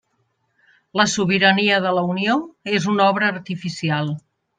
La sobirania de la Unió és una obra artificial.